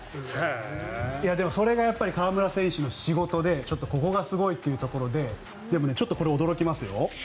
それが河村選手の仕事でここがすごいというところでこれ、驚きますよ。